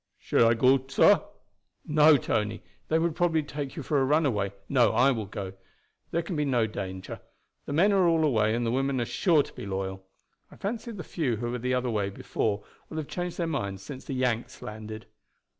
"Shall I go, sah?" "No, Tony, they would probably take you for a runaway. No, I will go. There can be no danger. The men are all away, and the women are sure to be loyal. I fancy the few who were the other way before will have changed their minds since the Yanks landed."